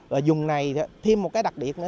rồi dùng này thêm một cái đặc điểm